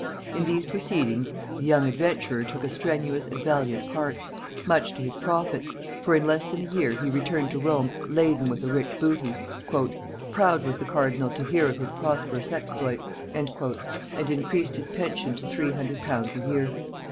In these proceedings, the young adventurer took a strenuous and valiant part, much to his profit; for in less than a year he returned to Rome laden with a rich booty. "Proud was the cardinal to hear of his prosperous exploits," and increased his pension to three hundred pounds a year.